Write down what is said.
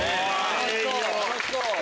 楽しそう！